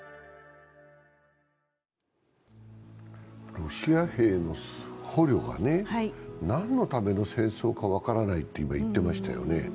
ロシア兵の捕虜が何のための戦争か分からないって今、言っていましたよね。